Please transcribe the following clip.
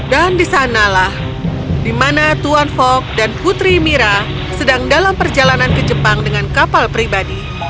dan disanalah di mana tuan fogg dan putri mira sedang dalam perjalanan ke jepang dengan kapal pribadi